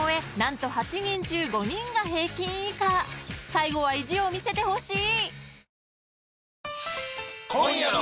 ［最後は意地を見せてほしい！］